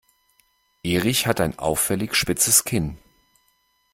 Erich hat ein auffällig spitzes Kinn.